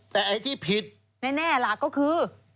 แต่ไอ้ที่ผิดแน่ล่ะก็คือ